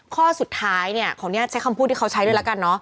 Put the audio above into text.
ข้อสุดท้ายของนี้ใช้คำพูดที่เขาใช้ด้วยแล้วกัน